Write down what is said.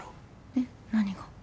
えっ？何が？